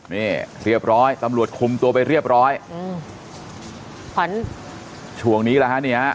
นี่เรียบร้อยตำรวจคุมตัวไปเรียบร้อยอืมขวัญช่วงนี้แหละฮะเนี่ยฮะ